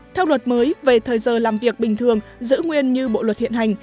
theo luật mới về thời giờ làm việc bình thường giữ nguyên như bộ luật hiện hành